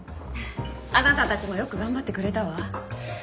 あなたたちもよく頑張ってくれたわ。